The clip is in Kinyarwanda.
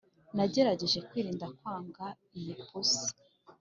nagerageje kwirinda kwanga iyi pusi